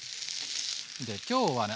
で今日はね